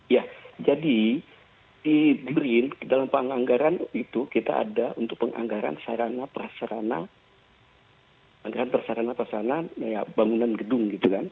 iya jadi di durin dalam penganggaran itu kita ada untuk penganggaran sarana prasarana penganggaran prasarana prasarana kayak bangunan gedung gitu kan